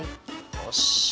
よし。